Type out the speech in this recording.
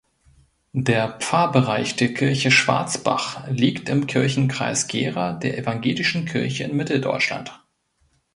Der Pfarrbereich der Kirche Schwarzbach liegt im Kirchenkreis Gera der Evangelischen Kirche in Mitteldeutschland.